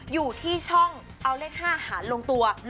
อยู่ที่ช่องเอาเลข๕หารลงตัว